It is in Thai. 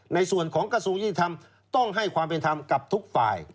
ในส่วนของกระทรวงยุติธรรมต้องให้ความเป็นธรรมกับทุกฝ่าย